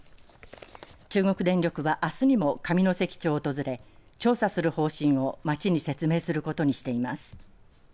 中国電力はあすにも上関町を訪れ、調査する方針を町に説明することにしています。